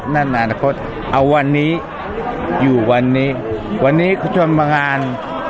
นั่นอนาคตเอาวันนี้อยู่วันนี้วันนี้ชวนมางาน